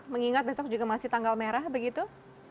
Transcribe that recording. mengingat besok juga masih tanggal merah begitu